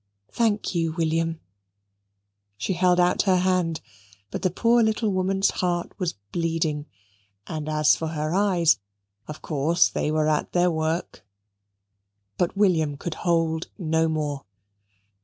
Thank you, William." She held out her hand, but the poor little woman's heart was bleeding; and as for her eyes, of course they were at their work. But William could hold no more.